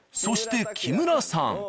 そして木村さん。